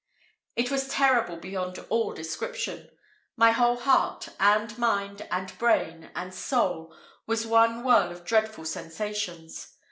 It was terrible beyond all description. My whole heart, and mind, and brain, and soul, was one whirl of dreadful sensations.